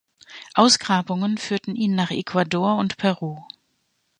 Ausgrabungen führten ihn nach Ecuador und Peru.